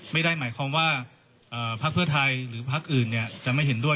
ไม่ได้หมายความว่าพักเพื่อไทยหรือพักอื่นจะไม่เห็นด้วย